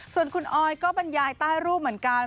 ส่วนคุณออยก็บรรยายใต้รูปเหมือนกัน